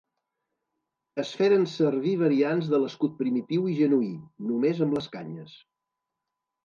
Es feren servir variants de l'escut primitiu i genuí, només amb les canyes.